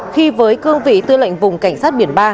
khi với cương vị tư lệnh vùng cảnh sát biển ba